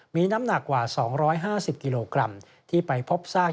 มีน้ำหนักกว่า๒๕๐กิโลกรัมที่ไปพบซาก